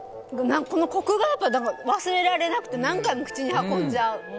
このコクが忘れられなくて何回も口に運んじゃう。